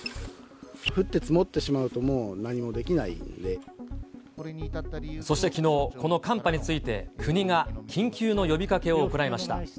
降って積もってしまうと、そしてきのう、この寒波について、国が緊急の呼びかけを行いました。